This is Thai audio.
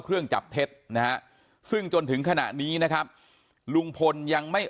เครื่องจับเท็จนะฮะซึ่งจนถึงขณะนี้นะครับลุงพลยังไม่